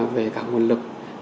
về cả nguồn lực